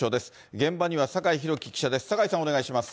現場には酒井宏樹記者です。